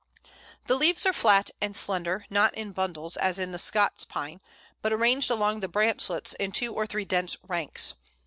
] The leaves are flat and slender, not in bundles, as in the Scots Pine, but arranged along the branchlets in two or three dense ranks.